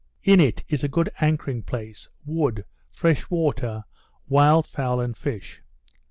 In it is a good anchoring place, wood, fresh water, wild fowl, and fish.